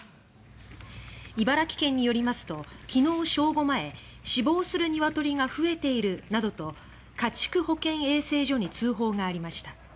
茨城県によりますと昨日正午前「死亡するニワトリが増えている」などと家畜保健衛生所に通報がありました。